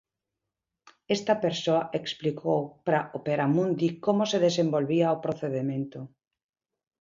Esta persoa explicou para Operamundi como se desenvolvía o procedemento.